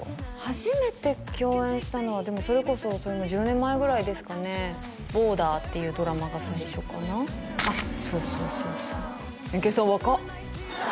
初めて共演したのはでもそれこそそれも１０年前ぐらいですかね「ＢＯＲＤＥＲ」っていうドラマが最初かなあっそうそうそうそうエンケンさん若っ！